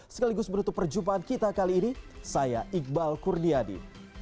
sekaligus menutup perjumpaan kita kali ini saya iqbal kurniadi